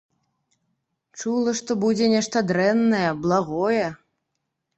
Чула, што будзе нешта дрэннае, благое.